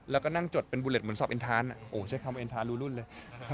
แล้วก็นั่งจดเป็นบูเล็ตเหมือนสอบเอ็นทานใช้คำเอ็นทานรูรุ่นเลย